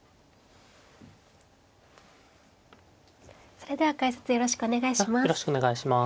それでは解説よろしくお願いします。